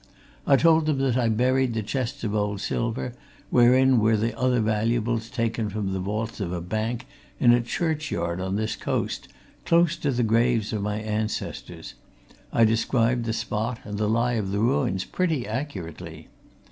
I told them that I buried the chests of old silver, wherein were the other valuables taken from the vaults of the bank, in a churchyard on this coast, close to the graves of my ancestors I described the spot and the lie of the ruins pretty accurately.